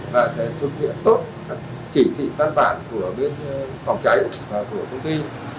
và thể thực hiện tốt các chỉ thị văn bản của bên phòng cháy và của công ty